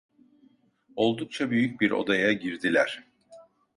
Oldukça büyük bir odaya girdiler.